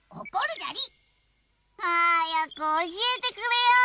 はやくおしえてくれよ！